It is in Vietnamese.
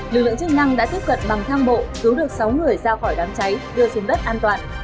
lực lượng chức năng đã tiếp cận bằng thang bộ cứu được sáu người ra khỏi đám cháy đưa xuống đất an toàn